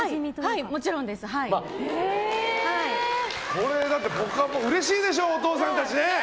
これ、うれしいでしょお父さんたち。